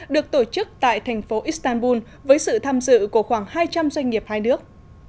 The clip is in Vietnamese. được tổ chức tại thành phố istanbul với sự tham dự của khoảng hai trăm linh doanh nghiệp hai nước